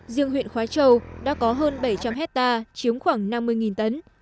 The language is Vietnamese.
riêng huyện khói châu đã có hơn bảy trăm linh hectare chiếm khoảng năm mươi tấn